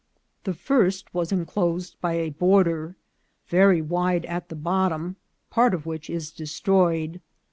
317 The first was enclosed by a border, very wide at the bottom, part of which is destroyed.